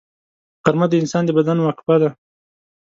غرمه د انسان د بدن وقفه ده